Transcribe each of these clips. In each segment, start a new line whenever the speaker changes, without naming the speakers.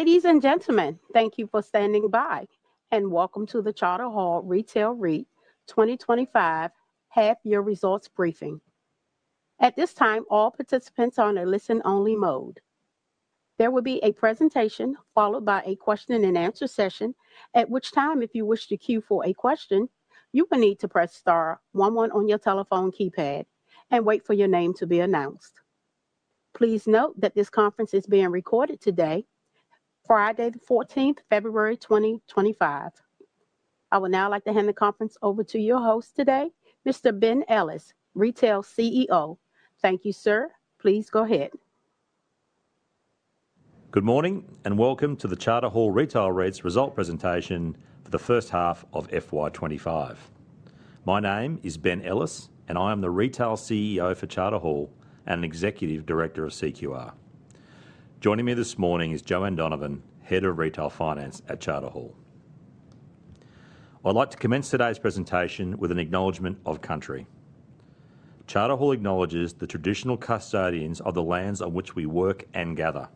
Ladies and gentlemen, thank you for standing by, and welcome to the Charter Hall Retail REIT 2025 Half-Year Results Briefing. At this time, all participants are in a listen-only mode. There will be a presentation followed by a question-and-answer session, at which time, if you wish to queue for a question, you will need to press star 11 on your telephone keypad and wait for your name to be announced. Please note that this conference is being recorded today, Friday, the 14th, February 2025. I would now like to hand the conference over to your host today, Mr. Ben Ellis, Retail CEO. Thank you, sir. Please go ahead.
Good morning and welcome to the Charter Hall Retail REIT results presentation for the first half of FY25. My name is Ben Ellis, and I am the Retail CEO for Charter Hall and an Executive Director of CQR. Joining me this morning is Joanne Donovan, Head of Retail Finance at Charter Hall. I'd like to commence today's presentation with an acknowledgment of country. Charter Hall acknowledges the traditional custodians of the lands on which we work and gather.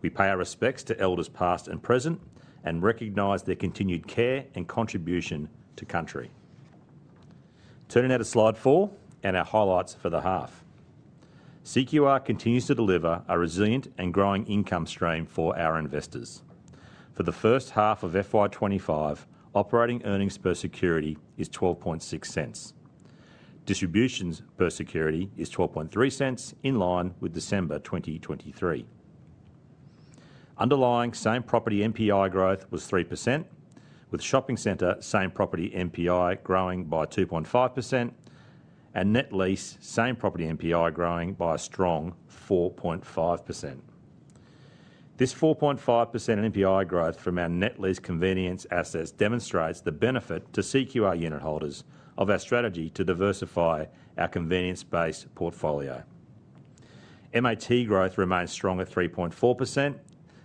We pay our respects to elders past and present and recognize their continued care and contribution to country. Turning now to slide four and our highlights for the half. CQR continues to deliver a resilient and growing income stream for our investors. For the first half of FY25, operating earnings per security is 0.126. Distributions per security is 0.123, in line with December 2023. Underlying same property MPI growth was 3%, with shopping center same property MPI growing by 2.5%, and net lease same property MPI growing by a strong 4.5%. This 4.5% MPI growth from our net lease convenience assets demonstrates the benefit to CQR unit holders of our strategy to diversify our convenience-based portfolio. MAT growth remains strong at 3.4%,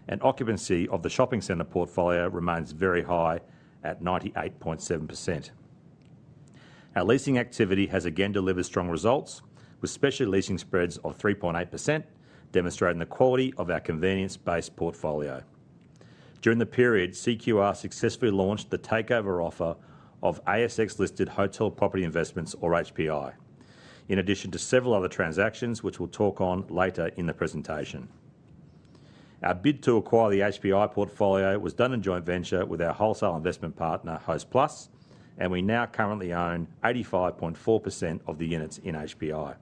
and occupancy of the shopping center portfolio remains very high at 98.7%. Our leasing activity has again delivered strong results, with specialty leasing spreads of 3.8%, demonstrating the quality of our convenience-based portfolio. During the period, CQR successfully launched the takeover offer of ASX-listed Hotel Property Investments, or HPI, in addition to several other transactions, which we'll talk on later in the presentation. Our bid to acquire the HPI portfolio was done in joint venture with our wholesale investment partner, Hostplus, and we now currently own 85.4% of the units in HPI.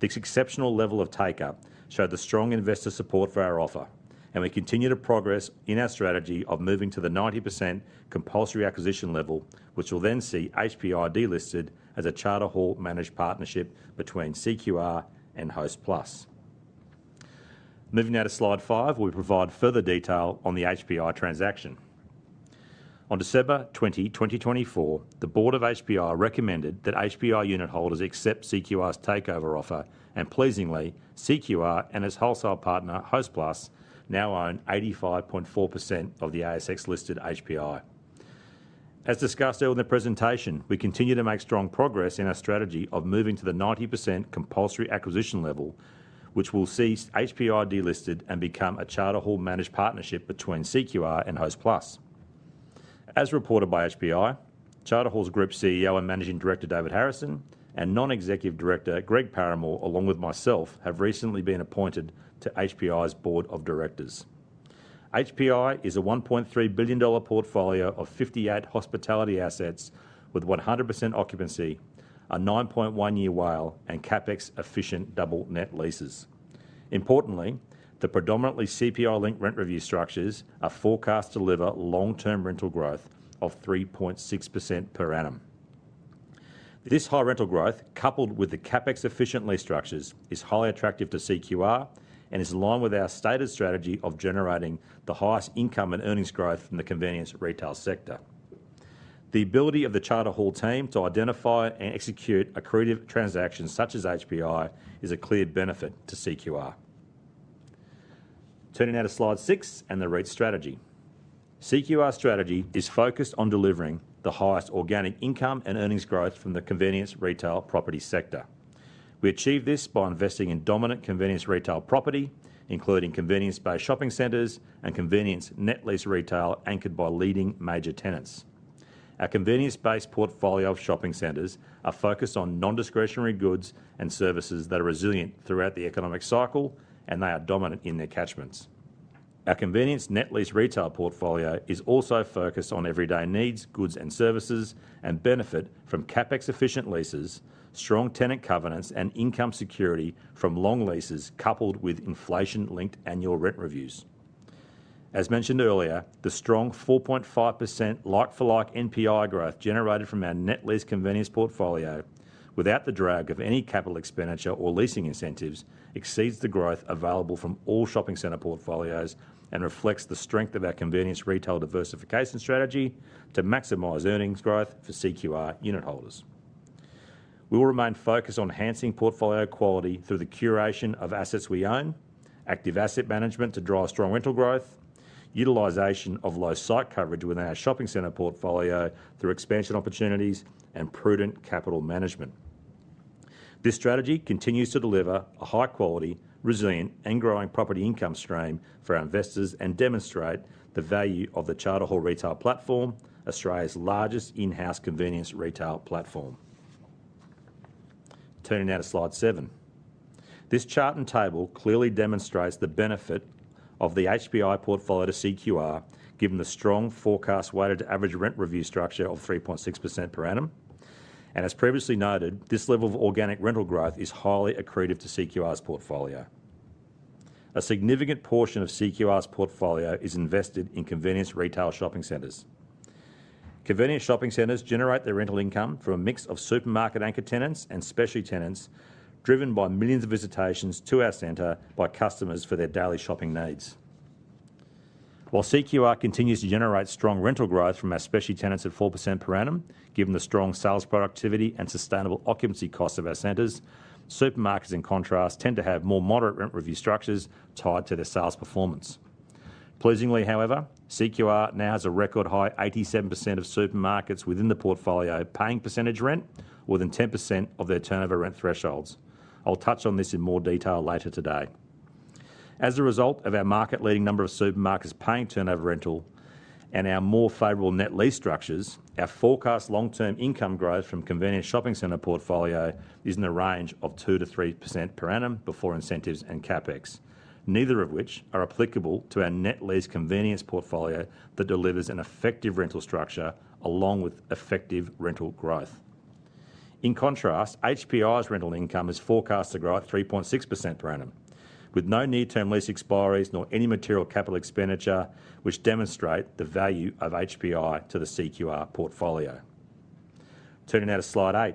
This exceptional level of take-up showed the strong investor support for our offer, and we continue to progress in our strategy of moving to the 90% compulsory acquisition level, which will then see HPI delisted as a Charter Hall managed partnership between CQR and Hostplus. Moving now to slide five, we provide further detail on the HPI transaction. On December 20, 2024, the Board of HPI recommended that HPI unit holders accept CQR's takeover offer, and pleasingly, CQR and its wholesale partner, Hostplus, now own 85.4% of the ASX-listed HPI. As discussed earlier in the presentation, we continue to make strong progress in our strategy of moving to the 90% compulsory acquisition level, which will see HPI delisted and become a Charter Hall managed partnership between CQR and Hostplus. As reported by HPI, Charter Hall's Group CEO and Managing Director, David Harrison, and Non-Executive Director, Greg Paramor, along with myself, have recently been appointed to HPI's Board of Directors. HPI is a 1.3 billion dollar portfolio of 58 hospitality assets with 100% occupancy, a 9.1-year WALE, and CapEx-efficient double-net leases. Importantly, the predominantly CPI-linked rent review structures are forecast to deliver long-term rental growth of 3.6% per annum. This high rental growth, coupled with the CapEx-efficient lease structures, is highly attractive to CQR and is in line with our stated strategy of generating the highest income and earnings growth from the convenience retail sector. The ability of the Charter Hall team to identify and execute accretive transactions such as HPI is a clear benefit to CQR. Turning now to slide six and the REIT strategy. CQR's strategy is focused on delivering the highest organic income and earnings growth from the convenience retail property sector. We achieve this by investing in dominant convenience retail property, including convenience-based shopping centers and convenience net lease retail anchored by leading major tenants. Our convenience-based portfolio of shopping centers are focused on non-discretionary goods and services that are resilient throughout the economic cycle, and they are dominant in their catchments. Our convenience net lease retail portfolio is also focused on everyday needs, goods and services, and benefit from CapEx-efficient leases, strong tenant covenants, and income security from long leases coupled with inflation-linked annual rent reviews. As mentioned earlier, the strong 4.5% like-for-like NPI growth generated from our net lease convenience portfolio, without the drag of any capital expenditure or leasing incentives, exceeds the growth available from all shopping center portfolios and reflects the strength of our convenience retail diversification strategy to maximize earnings growth for CQR unit holders. We will remain focused on enhancing portfolio quality through the curation of assets we own, active asset management to drive strong rental growth, utilization of low site coverage within our shopping center portfolio through expansion opportunities, and prudent capital management. This strategy continues to deliver a high-quality, resilient, and growing property income stream for our investors and demonstrate the value of the Charter Hall Retail Platform, Australia's largest in-house convenience retail platform. Turning now to slide seven. This chart and table clearly demonstrates the benefit of the HPI portfolio to CQR, given the strong forecast weighted average rent review structure of 3.6% per annum, and as previously noted, this level of organic rental growth is highly accretive to CQR's portfolio. A significant portion of CQR's portfolio is invested in convenience retail shopping centers. Convenience shopping centers generate their rental income from a mix of supermarket-anchored tenants and specialty tenants, driven by millions of visitations to our center by customers for their daily shopping needs. While CQR continues to generate strong rental growth from our specialty tenants at 4% per annum, given the strong sales productivity and sustainable occupancy costs of our centers, supermarkets, in contrast, tend to have more moderate rent review structures tied to their sales performance. Pleasingly, however, CQR now has a record high 87% of supermarkets within the portfolio paying percentage rent within 10% of their turnover rent thresholds. I'll touch on this in more detail later today. As a result of our market-leading number of supermarkets paying turnover rental and our more favorable net lease structures, our forecast long-term income growth from convenience shopping center portfolio is in the range of 2%-3% per annum before incentives and CapEx, neither of which are applicable to our net lease convenience portfolio that delivers an effective rental structure along with effective rental growth. In contrast, HPI's rental income is forecast to grow at 3.6% per annum, with no near-term lease expiries nor any material capital expenditure, which demonstrate the value of HPI to the CQR portfolio. Turning now to slide eight.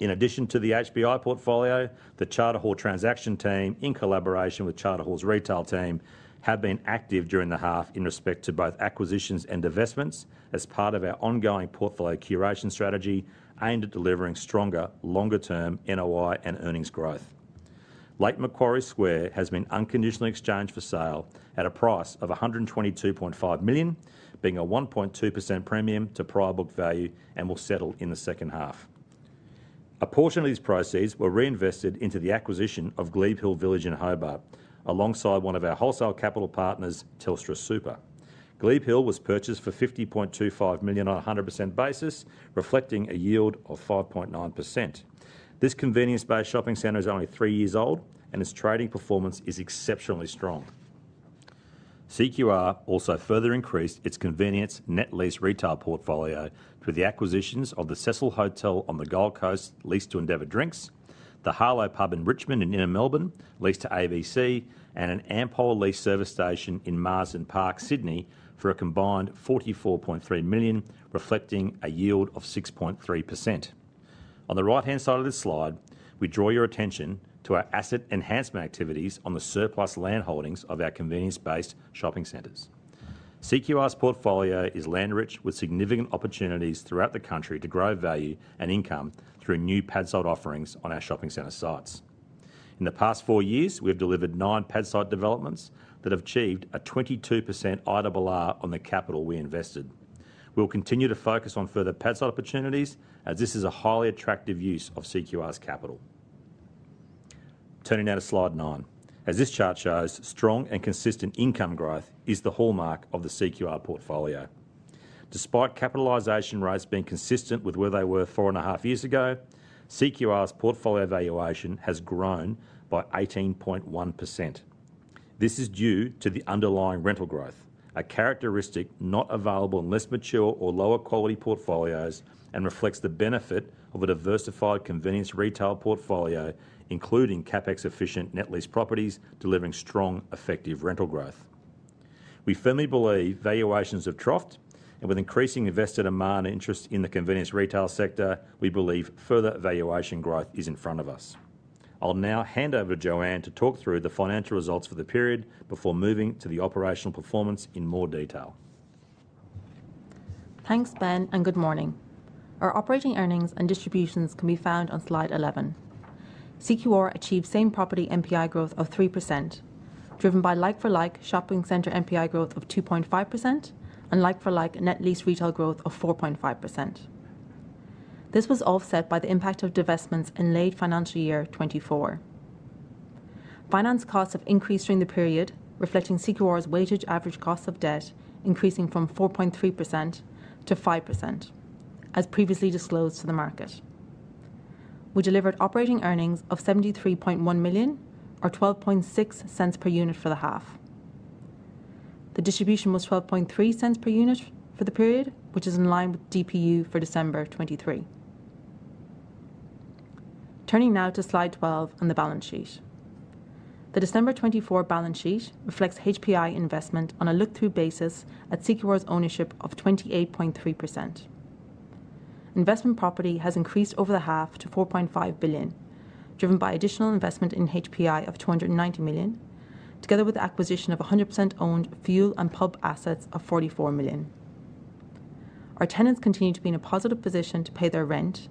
In addition to the HPI portfolio, the Charter Hall transaction team, in collaboration with Charter Hall's retail team, have been active during the half in respect to both acquisitions and investments as part of our ongoing portfolio curation strategy aimed at delivering stronger, longer-term NOI and earnings growth. Lake Macquarie Square has been unconditionally exchanged for sale at a price of 122.5 million, being a 1.2% premium to prior book value, and will settle in the second half. A portion of these proceeds were reinvested into the acquisition of Glebe Hill Village in Hobart, alongside one of our wholesale capital partners, Telstra Super. Glebe Hill was purchased for 50.25 million on a 100% basis, reflecting a yield of 5.9%. This convenience-based shopping center is only three years old, and its trading performance is exceptionally strong. CQR also further increased its convenience net lease retail portfolio through the acquisitions of the Cecil Hotel on the Gold Coast, leased to Endeavour Drinks, the Harlow Pub in Richmond and Inner Melbourne, leased to ABC, and an Ampol Lease Service Station in Marsden Park, Sydney, for a combined AUD 44.3 million, reflecting a yield of 6.3%. On the right-hand side of this slide, we draw your attention to our asset enhancement activities on the surplus land holdings of our convenience-based shopping centers. CQR's portfolio is land-rich, with significant opportunities throughout the country to grow value and income through new pad site offerings on our shopping center sites. In the past four years, we have delivered nine pad site developments that have achieved a 22% IRR on the capital we invested. We'll continue to focus on further pad site opportunities, as this is a highly attractive use of CQR's capital. Turning now to slide nine. As this chart shows, strong and consistent income growth is the hallmark of the CQR portfolio. Despite capitalization rates being consistent with where they were four and a half years ago, CQR's portfolio valuation has grown by 18.1%. This is due to the underlying rental growth, a characteristic not available in less mature or lower quality portfolios, and reflects the benefit of a diversified convenience retail portfolio, including CapEx-efficient net lease properties delivering strong, effective rental growth. We firmly believe valuations have troughed, and with increasing investor demand and interest in the convenience retail sector, we believe further valuation growth is in front of us. I'll now hand over to Joanne to talk through the financial results for the period before moving to the operational performance in more detail.
Thanks, Ben, and good morning. Our operating earnings and distributions can be found on slide 11. CQR achieved same property MPI growth of 3%, driven by like-for-like shopping center MPI growth of 2.5% and like-for-like net lease retail growth of 4.5%. This was offset by the impact of divestments in late financial year 2024. Finance costs have increased during the period, reflecting CQR's weighted average cost of debt increasing from 4.3% to 5%, as previously disclosed to the market. We delivered operating earnings of 73.1 million, or 0.126 per unit for the half. The distribution was 0.123 per unit for the period, which is in line with DPU for December 2023. Turning now to slide 12 on the balance sheet. The December 2024 balance sheet reflects HPI investment on a look-through basis at CQR's ownership of 28.3%. Investment property has increased over the half to 4.5 billion, driven by additional investment in HPI of 290 million, together with the acquisition of 100% owned fuel and pub assets of 44 million. Our tenants continue to be in a positive position to pay their rent,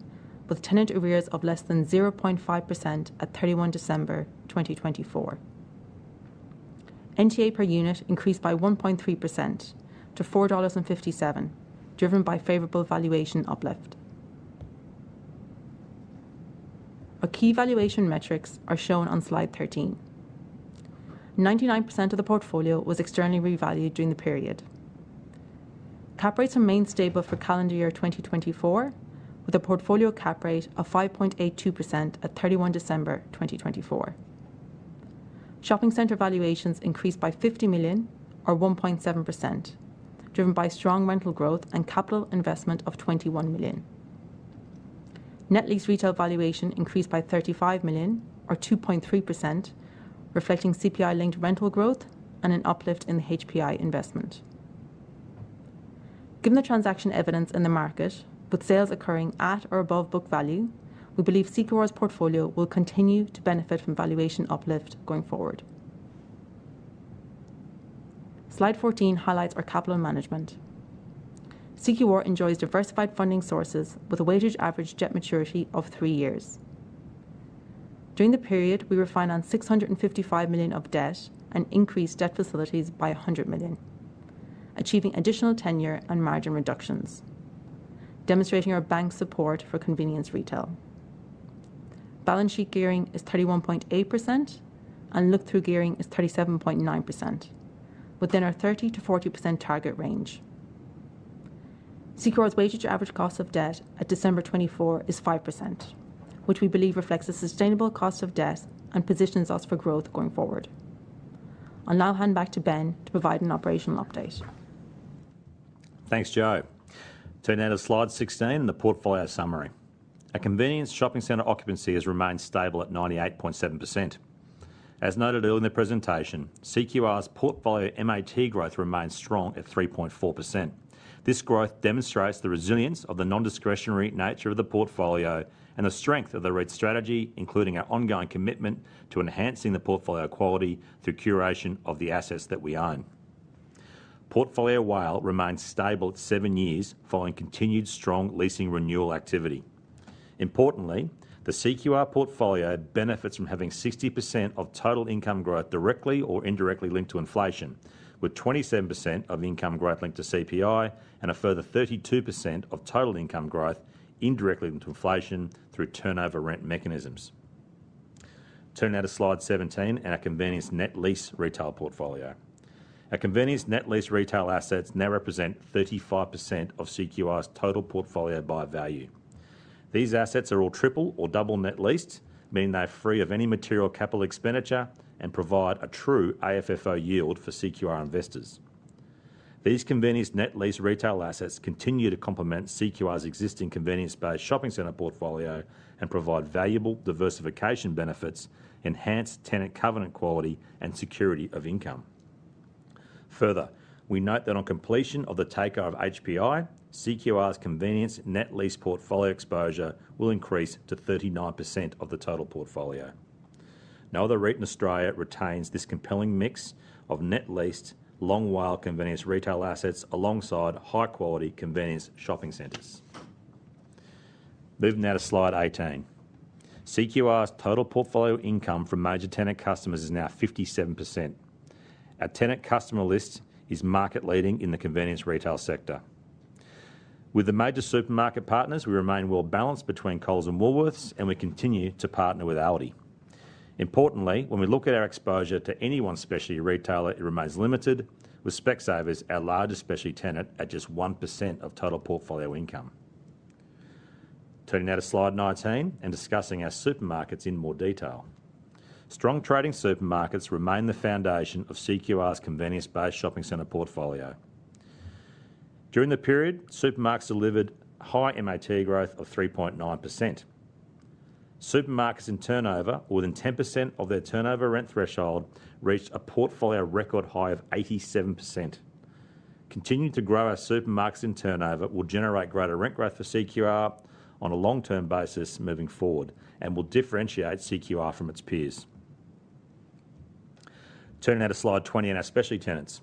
with tenant arrears of less than 0.5% at 31 December 2024. NTA per unit increased by 1.3% to 4.57 dollars, driven by favorable valuation uplift. Our key valuation metrics are shown on slide 13. 99% of the portfolio was externally revalued during the period. Cap rates remained stable for calendar year 2024, with a portfolio cap rate of 5.82% at 31 December 2024. Shopping center valuations increased by 50 million, or 1.7%, driven by strong rental growth and capital investment of 21 million. Net lease retail valuation increased by 35 million, or 2.3%, reflecting CPI-linked rental growth and an uplift in the HPI investment. Given the transaction evidence in the market, with sales occurring at or above book value, we believe CQR's portfolio will continue to benefit from valuation uplift going forward. Slide 14 highlights our capital management. CQR enjoys diversified funding sources with a weighted average debt maturity of three years. During the period, we refinanced 655 million of debt and increased debt facilities by 100 million, achieving additional tenure and margin reductions, demonstrating our bank's support for convenience retail. Balance sheet gearing is 31.8%, and look-through gearing is 37.9%, within our 30% to 40% target range. CQR's weighted average cost of debt at December 2024 is 5%, which we believe reflects a sustainable cost of debt and positions us for growth going forward. I'll now hand back to Ben to provide an operational update.
Thanks, Jo. Turning now to slide 16, the portfolio summary. Our convenience shopping center occupancy has remained stable at 98.7%. As noted earlier in the presentation, CQR's portfolio MAT growth remains strong at 3.4%. This growth demonstrates the resilience of the non-discretionary nature of the portfolio and the strength of the REIT strategy, including our ongoing commitment to enhancing the portfolio quality through curation of the assets that we own. Portfolio WALE remains stable at seven years following continued strong leasing renewal activity. Importantly, the CQR portfolio benefits from having 60% of total income growth directly or indirectly linked to inflation, with 27% of income growth linked to CPI and a further 32% of total income growth indirectly linked to inflation through turnover rent mechanisms. Turning now to slide 17 and our convenience net lease retail portfolio. Our convenience net lease retail assets now represent 35% of CQR's total portfolio by value. These assets are all triple or double net leased, meaning they are free of any material capital expenditure and provide a true AFFO yield for CQR investors. These convenience net lease retail assets continue to complement CQR's existing convenience-based shopping center portfolio and provide valuable diversification benefits, enhanced tenant covenant quality, and security of income. Further, we note that on completion of the takeover of HPI, CQR's convenience net lease portfolio exposure will increase to 39% of the total portfolio. No other REIT in Australia retains this compelling mix of net leased, long WALE convenience retail assets alongside high-quality convenience shopping centers. Moving now to slide 18. CQR's total portfolio income from major tenant customers is now 57%. Our tenant customer list is market-leading in the convenience retail sector. With the major supermarket partners, we remain well-balanced between Coles and Woolworths, and we continue to partner with Aldi. Importantly, when we look at our exposure to any one specialty retailer, it remains limited, with Specsavers, our largest specialty tenant, at just 1% of total portfolio income. Turning now to slide 19 and discussing our supermarkets in more detail. Strong trading supermarkets remain the foundation of CQR's convenience-based shopping center portfolio. During the period, supermarkets delivered high MAT growth of 3.9%. Supermarkets in turnover, within 10% of their turnover rent threshold, reached a portfolio record high of 87%. Continuing to grow our supermarkets in turnover will generate greater rent growth for CQR on a long-term basis moving forward and will differentiate CQR from its peers. Turning now to slide 20 and our specialty tenants.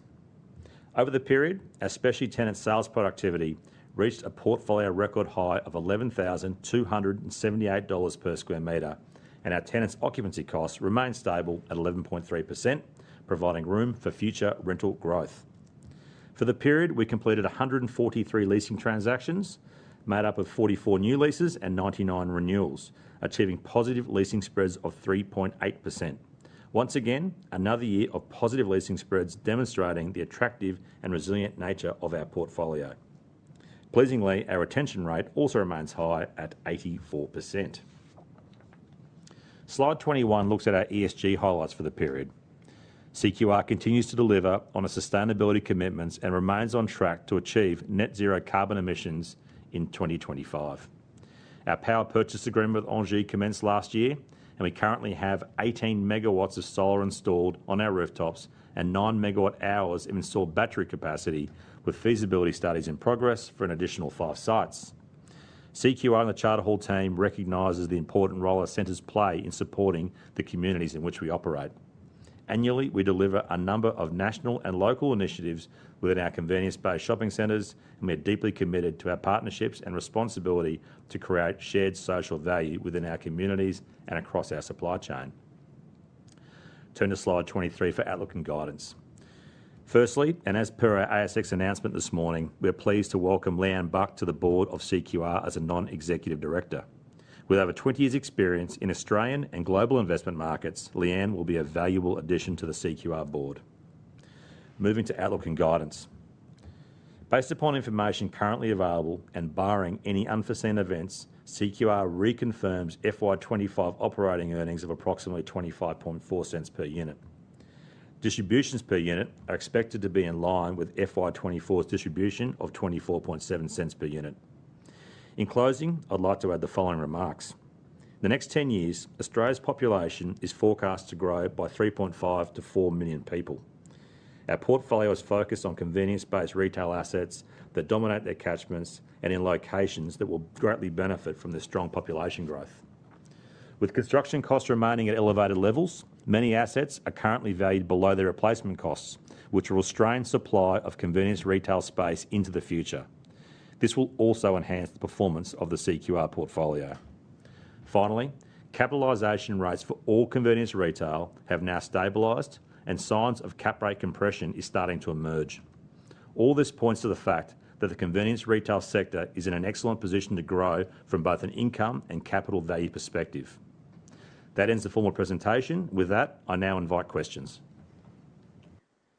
Over the period, our specialty tenant sales productivity reached a portfolio record high of 11,278 dollars per square meter, and our tenant's occupancy costs remained stable at 11.3%, providing room for future rental growth. For the period, we completed 143 leasing transactions, made up of 44 new leases and 99 renewals, achieving positive leasing spreads of 3.8%. Once again, another year of positive leasing spreads demonstrating the attractive and resilient nature of our portfolio. Pleasingly, our retention rate also remains high at 84%. Slide 21 looks at our ESG highlights for the period. CQR continues to deliver on its sustainability commitments and remains on track to achieve net zero carbon emissions in 2025. Our power purchase agreement with ENGIE commenced last year, and we currently have 18 megawatts of solar installed on our rooftops and 9 megawatt-hours of installed battery capacity, with feasibility studies in progress for an additional five sites. CQR and the Charter Hall team recognize the important role our centers play in supporting the communities in which we operate. Annually, we deliver a number of national and local initiatives within our convenience-based shopping centers, and we are deeply committed to our partnerships and responsibility to create shared social value within our communities and across our supply chain. Turn to slide 23 for outlook and guidance. Firstly, and as per our ASX announcement this morning, we are pleased to welcome Leanne Buck to the board of CQR as a non-executive director. With over 20 years' experience in Australian and global investment markets, Leanne will be a valuable addition to the CQR board. Moving to outlook and guidance. Based upon information currently available and barring any unforeseen events, CQR reconfirms FY25 operating earnings of approximately 0.254 per unit. Distributions per unit are expected to be in line with FY24's distribution of 0.247 per unit. In closing, I'd like to add the following remarks. In the next 10 years, Australia's population is forecast to grow by 3.5 to 4 million people. Our portfolio is focused on convenience-based retail assets that dominate their catchments and in locations that will greatly benefit from the strong population growth. With construction costs remaining at elevated levels, many assets are currently valued below their replacement costs, which will strain supply of convenience retail space into the future. This will also enhance the performance of the CQR portfolio. Finally, capitalization rates for all convenience retail have now stabilized, and signs of cap rate compression are starting to emerge. All this points to the fact that the convenience retail sector is in an excellent position to grow from both an income and capital value perspective. That ends the formal presentation. With that, I now invite questions.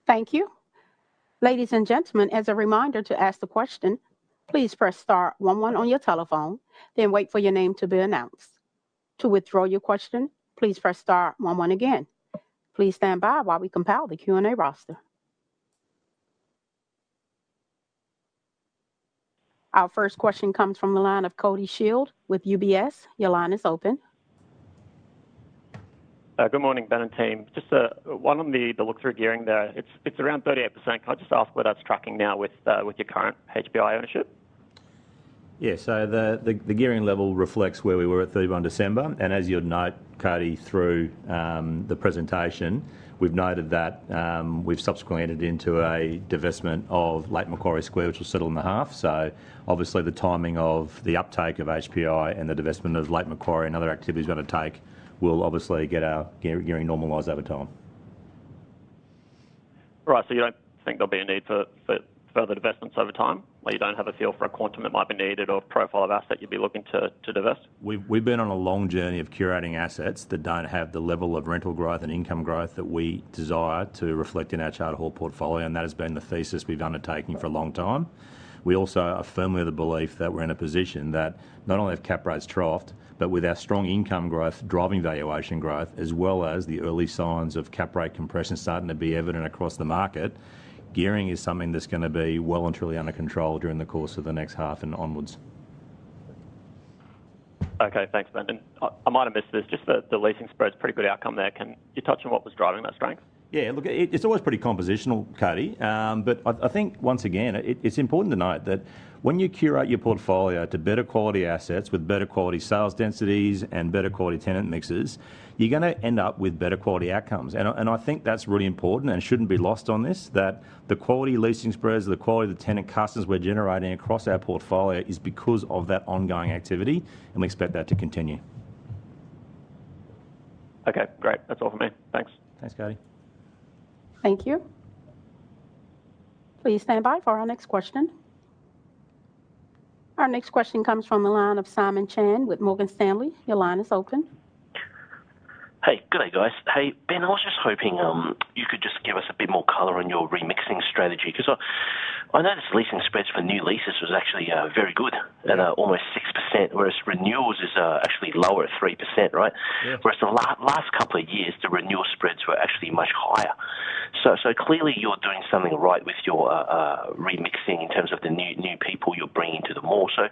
Thank you. Ladies and gentlemen, as a reminder to ask the question, please press star 11 on your telephone, then wait for your name to be announced. To withdraw your question, please press star 11 again. Please stand by while we compile the Q&A roster. Our first question comes from the line of Cody Shield with UBS. Your line is open.
Good morning, Ben and team. Just one on the look-through gearing there. It's around 38%. Can I just ask where that's tracking now with your current HPI ownership?
Yeah, so the gearing level reflects where we were at 31 December. And as you'd note, Cody, through the presentation, we've noted that we've subsequently entered into a divestment of Lake Macquarie Square, which will settle in the half. So obviously, the timing of the uptake of HPI and the divestment of Lake Macquarie and other activities we're going to take will obviously get our gearing normalized over time.
Right, so you don't think there'll be a need for further divestments over time? You don't have a feel for a quantum that might be needed or a profile of asset you'd be looking to divest?
We've been on a long journey of curating assets that don't have the level of rental growth and income growth that we desire to reflect in our Charter Hall portfolio, and that has been the thesis we've undertaken for a long time. We also are firmly of the belief that we're in a position that not only have cap rates troughed, but with our strong income growth driving valuation growth, as well as the early signs of cap rate compression starting to be evident across the market, gearing is something that's going to be well and truly under control during the course of the next half and onwards.
Okay, thanks, Ben. I might have missed this. Just the leasing spreads, pretty good outcome there. Can you touch on what was driving that strength?
Yeah, look, it's always pretty compositional, Cody. But I think, once again, it's important to note that when you curate your portfolio to better quality assets with better quality sales densities and better quality tenant mixes, you're going to end up with better quality outcomes. And I think that's really important and shouldn't be lost on this, that the quality leasing spreads, the quality of the tenant customers we're generating across our portfolio is because of that ongoing activity, and we expect that to continue.
Okay, great. That's all from me. Thanks.
Thanks, Cody.
Thank you. Please stand by for our next question. Our next question comes from the line of Simon Chan with Morgan Stanley. Your line is open. Hey, good day, guys. Hey, Ben, I was just hoping you could just give us a bit more color on your remixing strategy because I noticed leasing spreads for new leases was actually very good at almost 6%, whereas renewals is actually lower, 3%, right? Whereas the last couple of years, the renewal spreads were actually much higher. So clearly, you're doing something right with your remixing in terms of the new people you're bringing to the mall. So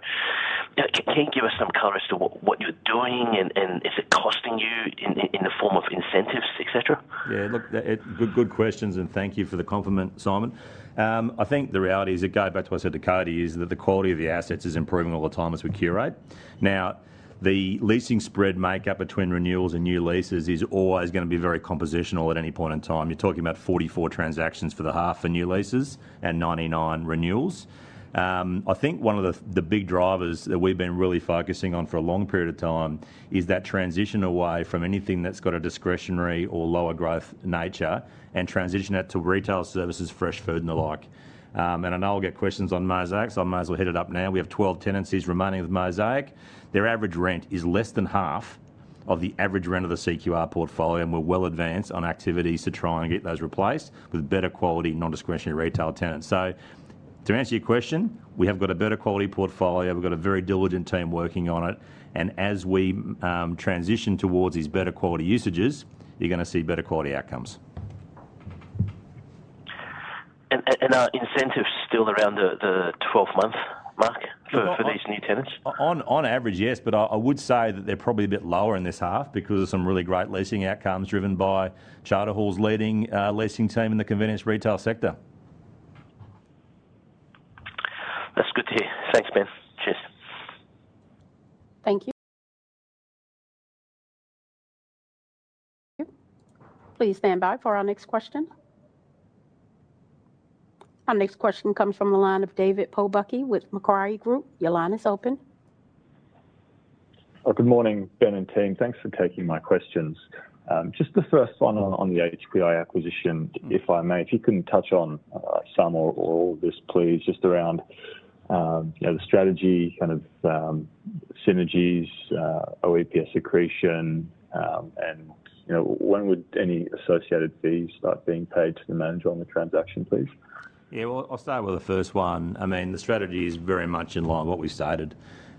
can you give us some color as to what you're doing and is it costing you in the form of incentives, etc.?
Yeah, look, good questions, and thank you for the compliment, Simon. I think the reality is, going back to what I said to Cody, is that the quality of the assets is improving all the time as we curate. Now, the leasing spread makeup between renewals and new leases is always going to be very compositional at any point in time. You're talking about 44 transactions for the half for new leases and 99 renewals. I think one of the big drivers that we've been really focusing on for a long period of time is that transition away from anything that's got a discretionary or lower growth nature and transition that to retail services, fresh food, and the like. I know I'll get questions on Mosaic. So I'm going to head it off now. We have 12 tenancies remaining with Mosaic. Their average rent is less than half of the average rent of the CQR portfolio, and we're well advanced on activities to try and get those replaced with better quality non-discretionary retail tenants, so to answer your question, we have got a better quality portfolio. We've got a very diligent team working on it, and as we transition towards these better quality usages, you're going to see better quality outcomes.
Are incentives still around the 12-month mark for these new tenants?
On average, yes, but I would say that they're probably a bit lower in this half because of some really great leasing outcomes driven by Charter Hall's leading leasing team in the convenience retail sector.
That's good to hear. Thanks, Ben. Cheers. Thank you. Please stand by for our next question. Our next question comes from the line of David Pobjoy with Macquarie Group. Your line is open.
Good morning, Ben and team. Thanks for taking my questions. Just the first one on the HPI acquisition, if I may, if you can touch on some or all of this, please, just around the strategy, kind of synergies, OEPS accretion, and when would any associated fees start being paid to the manager on the transaction, please?
Yeah, well, I'll start with the first one. I mean, the strategy is very much in line with what we started,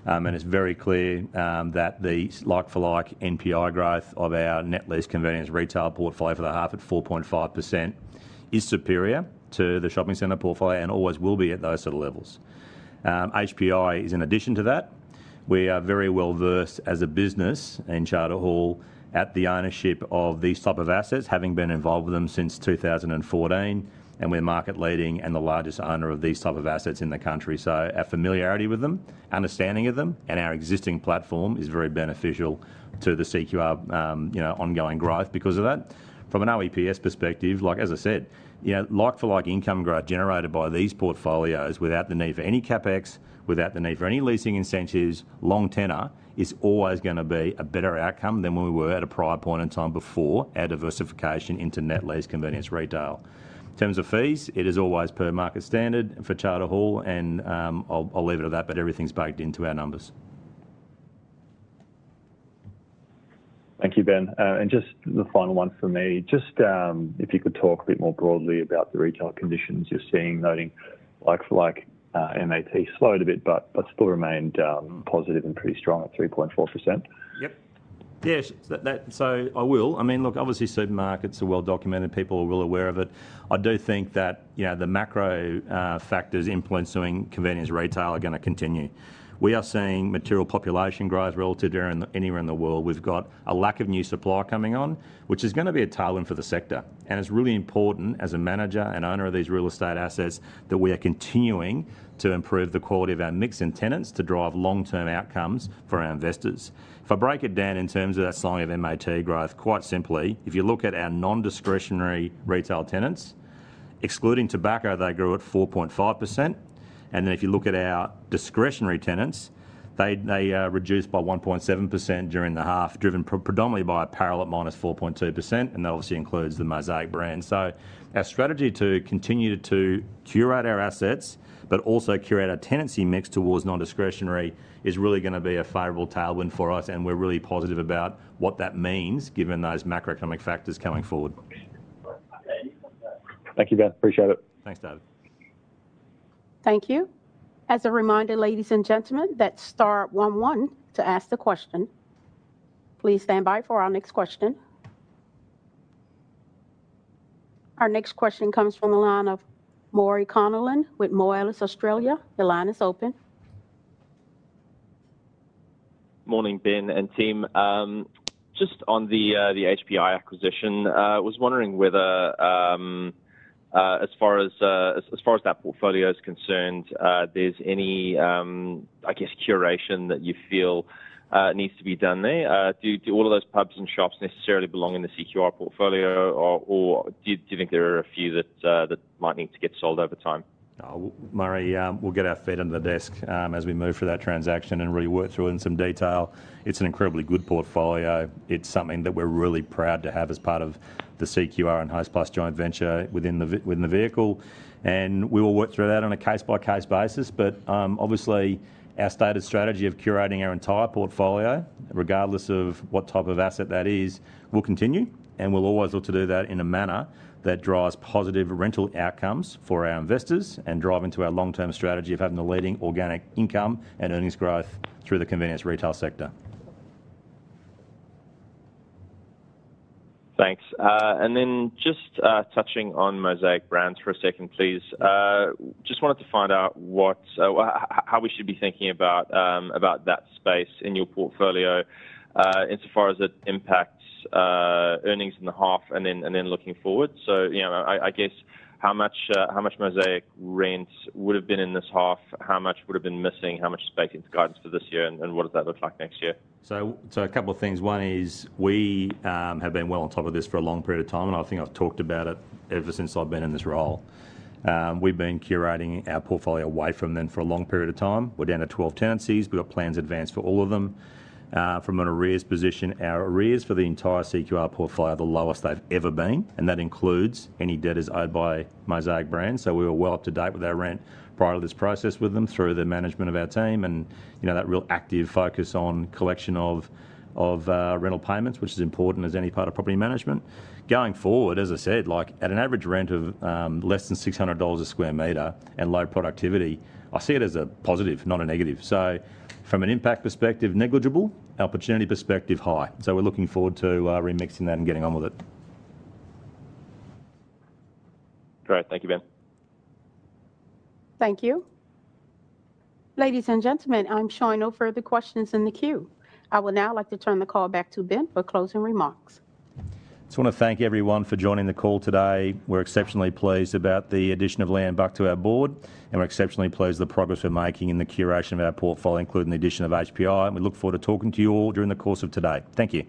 and it's very clear that the like-for-like NPI growth of our net lease convenience retail portfolio for the half at 4.5% is superior to the shopping center portfolio and always will be at those sort of levels. HPI is in addition to that. We are very well versed as a business in Charter Hall at the ownership of these types of assets, having been involved with them since 2014, and we're market-leading and the largest owner of these types of assets in the country. So our familiarity with them, understanding of them, and our existing platform is very beneficial to the CQR ongoing growth because of that. From an OEPS perspective, like as I said, like-for-like income growth generated by these portfolios without the need for any CapEx, without the need for any leasing incentives, long tenor is always going to be a better outcome than we were at a prior point in time before our diversification into net lease convenience retail. In terms of fees, it is always per market standard for Charter Hall, and I'll leave it at that, but everything's baked into our numbers.
Thank you, Ben. And just the final one for me. Just if you could talk a bit more broadly about the retail conditions you're seeing, noting like-for-like MAT slowed a bit, but still remained positive and pretty strong at 3.4%.
Yep. Yeah, so I will. I mean, look, obviously, supermarkets are well documented. People are well aware of it. I do think that the macro factors influencing convenience retail are going to continue. We are seeing material population growth relative to anywhere in the world. We've got a lack of new supply coming on, which is going to be a tailwind for the sector, and it's really important as a manager and owner of these real estate assets that we are continuing to improve the quality of our mix and tenants to drive long-term outcomes for our investors. If I break it down in terms of that side of MAT growth, quite simply, if you look at our non-discretionary retail tenants, excluding tobacco, they grew at 4.5%. Then if you look at our discretionary tenants, they reduced by 1.7% during the half, driven predominantly by apparel minus 4.2%, and that obviously includes the Mosaic Brands. Our strategy to continue to curate our assets, but also curate our tenancy mix towards non-discretionary is really going to be a favorable tailwind for us, and we're really positive about what that means given those macroeconomic factors coming forward.
Thank you, Ben. Appreciate it.
Thanks, David.
Thank you. As a reminder, ladies and gentlemen, that's star 11 to ask the question. Please stand by for our next question. Our next question comes from the line of Murray Connolan with Moellis Australia. Your line is open.
Morning, Ben and team. Just on the HPI acquisition, I was wondering whether, as far as that portfolio is concerned, there's any, I guess, curation that you feel needs to be done there. Do all of those pubs and shops necessarily belong in the CQR portfolio, or do you think there are a few that might need to get sold over time?
Murray, we'll get our feet under the desk as we move through that transaction and really work through it in some detail. It's an incredibly good portfolio. It's something that we're really proud to have as part of the CQR and Hostplus joint venture within the vehicle. And we will work through that on a case-by-case basis. But obviously, our stated strategy of curating our entire portfolio, regardless of what type of asset that is, will continue, and we'll always look to do that in a manner that drives positive rental outcomes for our investors and drive into our long-term strategy of having the leading organic income and earnings growth through the convenience retail sector.
Thanks. And then just touching on Mosaic Brands for a second, please. Just wanted to find out how we should be thinking about that space in your portfolio insofar as it impacts earnings in the half and then looking forward. So I guess how much Mosaic rents would have been in this half, how much would have been missing, how much space into guidance for this year, and what does that look like next year?
So a couple of things. One is we have been well on top of this for a long period of time, and I think I've talked about it ever since I've been in this role. We've been curating our portfolio away from them for a long period of time. We're down to 12 tenancies. We've got plans advanced for all of them. From an arrears position, our arrears for the entire CQR portfolio are the lowest they've ever been, and that includes any debtors owed by Mosaic Brands. So we were well up to date with our rent prior to this process with them through the management of our team and that real active focus on collection of rental payments, which is important as any part of property management. Going forward, as I said, at an average rent of less than 600 dollars a square meter and low productivity, I see it as a positive, not a negative. So from an impact perspective, negligible. Opportunity perspective, high. So we're looking forward to remixing that and getting on with it.
Great. Thank you, Ben.
Thank you. Ladies and gentlemen, I'm showing no further questions in the queue. I would now like to turn the call back to Ben for closing remarks.
Just want to thank everyone for joining the call today. We're exceptionally pleased about the addition of Leanne Buck to our board, and we're exceptionally pleased with the progress we're making in the curation of our portfolio, including the addition of HPI. We look forward to talking to you all during the course of today. Thank you.